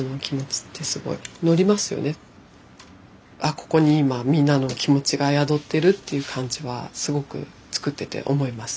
ここに今みんなの気持ちが宿ってるっていう感じはすごく作ってて思います。